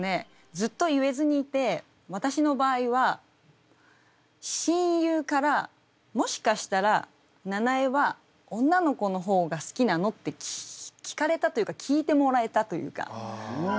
ずっと言えずにいて私の場合は親友から「もしかしたらななえは女の子の方が好きなの？」って聞かれたというか聞いてもらえたというか。